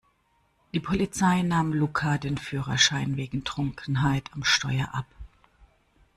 Die Polizei nahm Luca den Führerschein wegen Trunkenheit am Steuer ab.